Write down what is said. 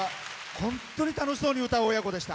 本当に楽しそうに歌う親子でした。